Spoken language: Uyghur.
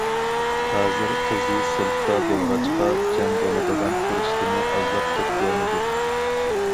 ھازىر قىزى سىرتتا بولغاچقا، جەم بولىدىغان پۇرسىتىمۇ ئازلاپ كەتكەنىدى.